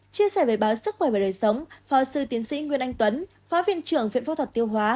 chia sẻ về báo sức khỏe và đời sống phó sư tiến sĩ nguyễn anh tuấn phó viện trưởng viện phẫu thuật tiêu hóa